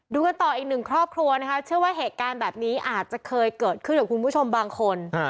กันต่ออีกหนึ่งครอบครัวนะคะเชื่อว่าเหตุการณ์แบบนี้อาจจะเคยเกิดขึ้นกับคุณผู้ชมบางคน